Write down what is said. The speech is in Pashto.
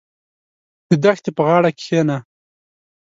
• د دښتې په غاړه کښېنه.